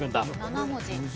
７文字。